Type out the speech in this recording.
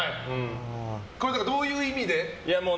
どういう意味で？